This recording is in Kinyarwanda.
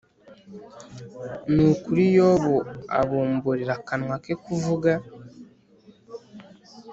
Ni ukuri Yobu abumburira akanwa ke kuvuga